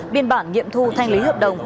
biên bản nghiệm thu thanh lý hợp đồng